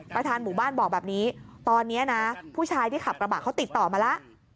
ประธานหมู่บ้านบอกแบบนี้ตอนนี้นะผู้ชายที่ขับกระบะเขาติดต่อมาแล้ว